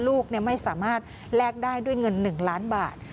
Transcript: ลูกไม่สามารถแลกได้ด้วยเงิน๑ล้านบาท